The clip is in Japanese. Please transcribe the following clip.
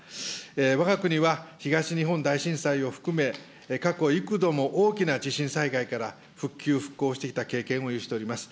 わが国は東日本大震災を含め、過去幾度も大きな地震災害から復旧・復興してきた経験を有しております。